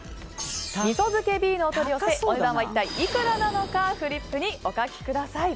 味噌漬けＢのお取り寄せお値段は一体いくらなのかフリップにお書きください。